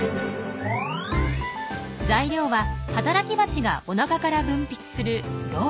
材料は働きバチがおなかから分泌する蝋。